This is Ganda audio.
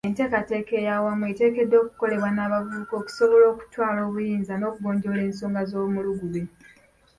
Enteekateeka eyawamu eteekeddwa okukolebwa n'abavubuka okusobola okutwala obuyinza n'okugonjoola ensonga z'omulugube.